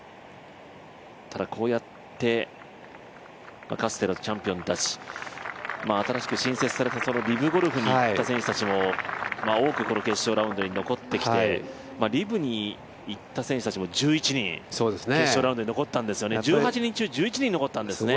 ただ、こうやってかつてのチャンピオンたち、新しく新設されたリブゴルフに行った選手たちも多くこの決勝ラウンドに残ってきてリブに行った選手たちも１１人決勝ラウンドに残ったんですよね、１８人中１１人残ったんですよね。